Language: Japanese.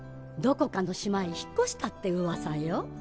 どこかの島へ引っ越したってうわさよ。